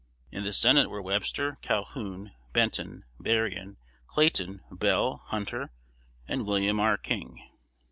In the Senate were Webster, Calhoun, Benton, Berrien, Clayton, Bell, Hunter, and William R. King.